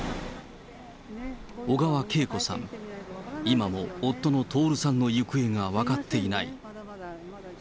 小川けい子さん、今も夫の徹さんの行方が分かっていない。